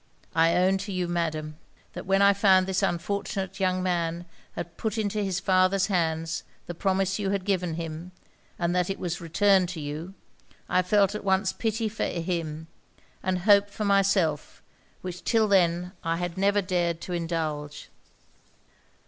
'I own to you, Madam, that when I found this unfortunate young man had put into his father's hands the promise you had given him, and that it was returned to you, I felt at once pity for him, and hope for myself, which, 'till then, I had never dared to indulge.'